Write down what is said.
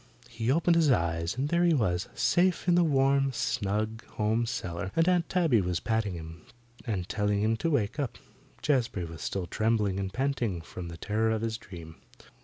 He opened his eyes and there he was, safe in the warm, snug home cellar, and Aunt Tabby was patting him, and telling him to wake up. Jazbury was still trembling and panting from the terror of his dream.